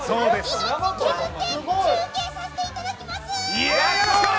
命削って中継させていただきます。